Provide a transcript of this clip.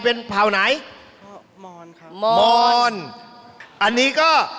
เอาอย่างนี้